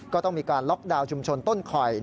ก็ต้องมีการล็อกดาวน์ชุมชนต้นคอย